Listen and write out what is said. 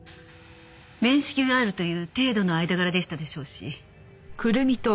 面識があるという程度の間柄でしたでしょうし。